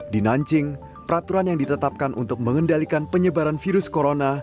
di nancing peraturan yang ditetapkan untuk mengendalikan penyebaran virus corona